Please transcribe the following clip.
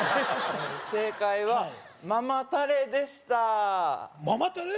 正解はママタレでしたママタレ？